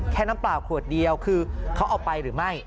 น้ำเปล่าขวดเดียวคือเขาเอาไปหรือไม่